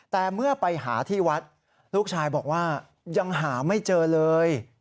แต่เมื่อไปหาที่วัดลูกชายบอกว่ายังหาไม่เจอเลย